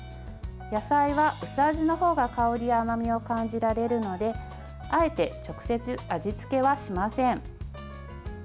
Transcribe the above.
野菜は薄味のほうが香りや甘みを感じられるのであえて直接、味付けはしません。